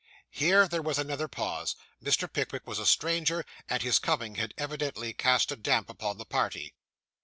Here there was another pause. Mr. Pickwick was a stranger, and his coming had evidently cast a damp upon the party.